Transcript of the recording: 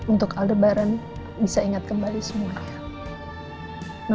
untuk aldebaran bisa ingat kembali semuanya